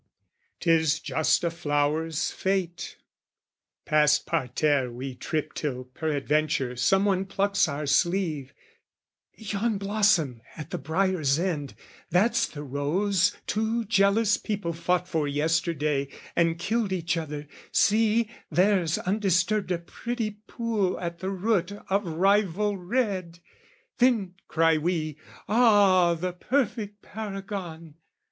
'Tis just a flower's fate: past parterre we trip, Till peradventure some one plucks our sleeve "Yon blossom at the briar's end, that's the rose "Two jealous people fought for yesterday "And killed each other: see, there's undisturbed "A pretty pool at the root, of rival red!" Then cry we, "Ah, the perfect paragon!"